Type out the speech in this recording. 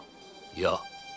いや。